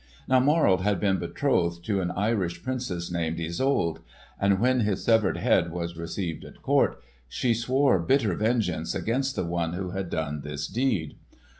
Now Morold had been betrothed to an Irish Princess named Isolde; and when his severed head was received at court, she swore bitter vengeance against the one who had done this deed.